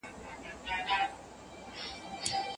هغه هلک چې پر فرش ولوېد، په درد کې یې هم خندل.